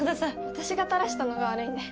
私が垂らしたのが悪いんで。